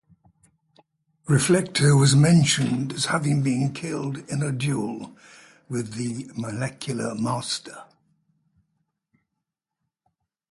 Reflecto was mentioned as having been killed in a duel with the Molecule Master.